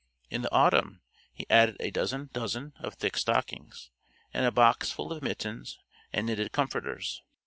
In the autumn he added a dozen dozen of thick stockings, and a box full of mittens and knitted comforters.